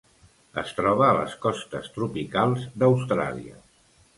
Es troba a les costes tropicals d'Austràlia.